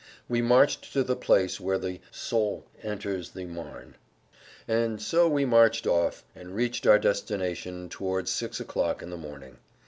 We marched to the place where the Saulx enters the Marne. So we marched off and reached our destination towards six o'clock in the morning.